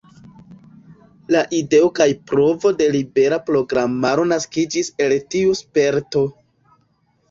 La ideo kaj provo de libera programaro naskiĝis el tiu sperto.